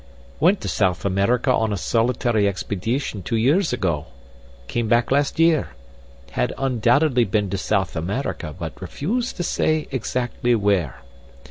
"Went to South America on a solitary expedeetion two years ago. Came back last year. Had undoubtedly been to South America, but refused to say exactly where.